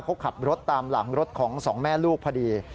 เขาขับรถตามหลังรถของสองแม่ลูกพอดี